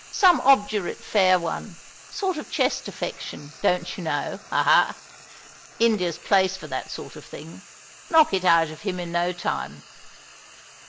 Some obdurate fair one! Sort of chest affection, don't you know, ha ha! India's place for that sort of thing. Knock it out of him in no time.